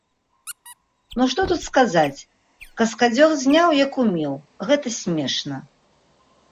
Ну што тут сказаць, каскадзёр зняў, як умеў, гэта смешна.